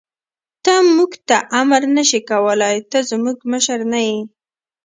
ته موږ ته امر نه شې کولای، ته زموږ مشر نه یې.